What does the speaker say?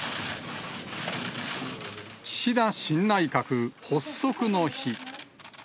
岸田新内閣発足の日。